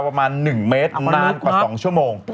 ประมาณ๑เมตรนานกว่า๒ชั่วโมง